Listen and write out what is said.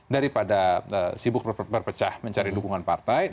yang sudah sibuk berpecah mencari dukungan partai